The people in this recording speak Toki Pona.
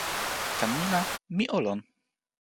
tan ni la, mi o lon.